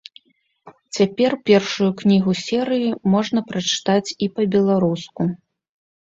Цяпер першую кнігу серыі можна прачытаць і па-беларуску.